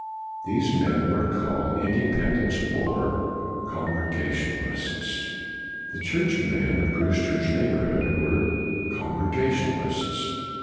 These men were called Independents, or Congregationalists. The Churchmen of Brewster's neigh borhood were Congregationalists.